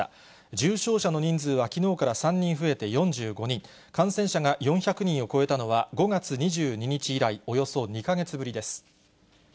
重症者の人数は、きのうから３人増えて４５人、感染者が４００人を超えたのは、５月２２日以来、およそ２か月ぶりです。